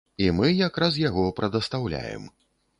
І мы якраз яго прадастаўляем.